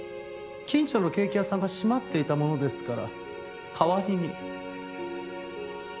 近所のケーキ屋さんが閉まっていたものですから代わりに。